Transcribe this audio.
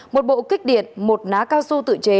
một bộ kích điện một ná cao su tự chế